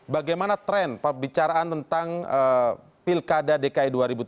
bagaimana tren perbicaraan tentang pilkada dki